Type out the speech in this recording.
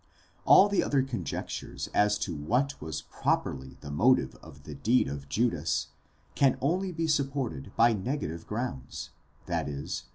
All the other conjectures as to what was properly the motive of the deed of Judas, can only be supported by negative grounds, i.e.